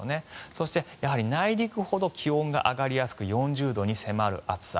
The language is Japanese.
そしてやはり内陸ほど気温が上がりやすく４０度に迫る暑さ。